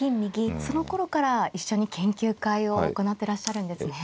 そのころから一緒に研究会を行ってらっしゃるんですね。